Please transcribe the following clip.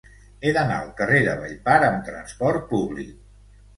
He d'anar al carrer de Vallpar amb trasport públic.